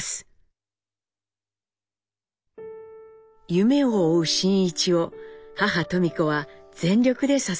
夢を追う真一を母登美子は全力で支えました。